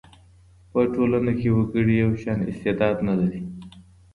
په ټولنه کي وګړي یو شان استعداد نه لري.